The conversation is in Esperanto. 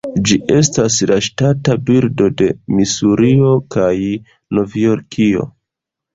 Ĝi estas la ŝtata birdo de Misurio kaj Novjorkio.